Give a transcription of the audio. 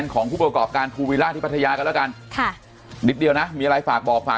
ของผมปีใหม่เลยกล้อนเท